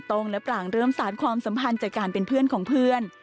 งและปรางเริ่มสารความสัมพันธ์จากการเป็นเพื่อนของเพื่อน